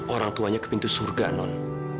orang tuanya ke pintu surga non